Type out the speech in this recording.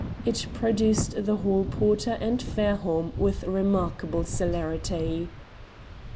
It produced the hall porter and Fairholme with remarkable celerity.